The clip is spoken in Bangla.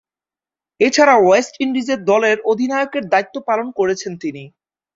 এছাড়াও, ওয়েস্ট ইন্ডিজ দলের অধিনায়কের দায়িত্ব পালন করেছেন তিনি।